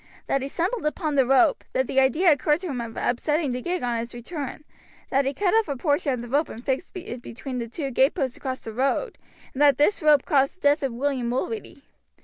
That he stumbled upon the rope, that the idea occurred to him of upsetting the gig on its return, that he cut off a portion of the rope and fixed it between the two gateposts across the road, and that this rope caused the death of William Mulready.